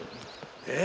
え？